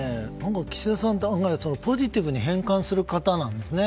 岸田さんって案外ポジティブに変換する方なんですね。